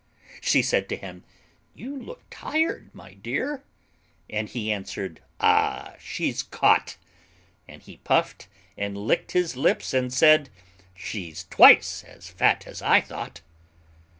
She said to him, "You look tired, my dear," And he answered, "Ah, she's caught!" And he puffed and licked his lips and said "She's twice as fat as I thought!"